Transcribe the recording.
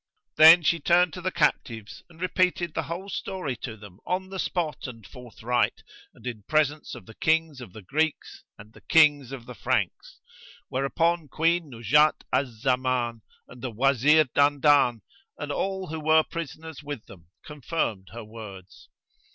Then she turned to the captives and repeated the whole story to them on the spot and forthright, and in presence of the Kings of the Greeks and the Kings of the Franks; whereupon Queen Nuzhat al Zaman and the Wazir Dandan and all who were prisoners with them confirmed her words.